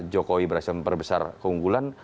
jokowi berhasil memperbesar konggulan